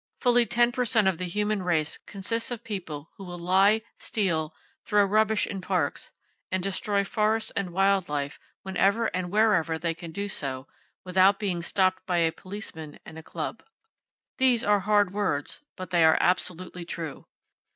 Fully ten per cent of the human race consists of people who will lie, steal, throw rubbish in parks, and destroy forests and wild life whenever and wherever they can do so without being stopped by a policemen and a club. These are hard words, but they are absolutely true.